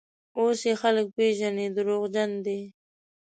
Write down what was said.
اوس یې خلک پېژني: دروغجن دی.